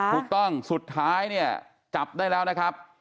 ถูกต้องสุดท้ายเนี่ยจับได้แล้วนะครับ